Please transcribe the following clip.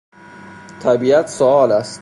طبیعت سوال است.